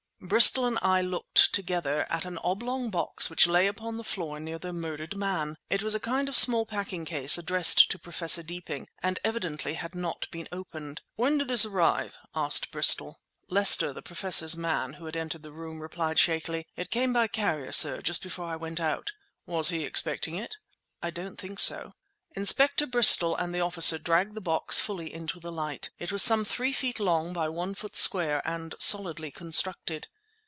Bristol and I looked, together, at an oblong box which lay upon the floor near the murdered man. It was a kind of small packing case, addressed to Professor Deeping, and evidently had not been opened. "When did this arrive?" asked Bristol. Lester, the Professor's man, who had entered the room, replied shakily— "It came by carrier, sir, just before I went out." "Was he expecting it?" "I don't think so." Inspector Bristol and the officer dragged the box fully into the light. It was some three feet long by one foot square, and solidly constructed.